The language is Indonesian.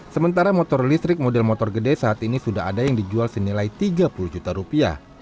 sementara motor listrik model motor gede saat ini sudah ada yang dijual senilai tiga puluh juta rupiah